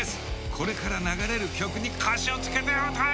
これから流れる曲に歌詞を付けて歌え。